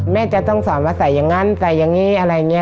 แม่จะต้องสอนว่าใส่อย่างนั้นใส่อย่างนี้อะไรอย่างนี้